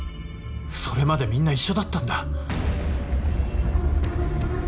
それまでみんな一緒だったんだ。